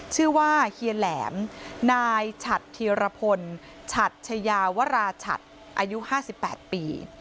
ชื่อว่าเฮียแหลมนายฉัดธีรพลฉัดชยาวราชัตน์อายุ๕๘ปี